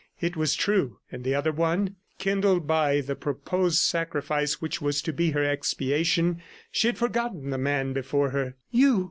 It was true and the other one? ... Kindled by the proposed sacrifice which was to be her expiation, she had forgotten the man before her. "You!"